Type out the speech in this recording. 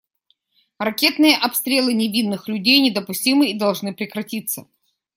Ракетные обстрелы невинных людей недопустимы и должны прекратиться.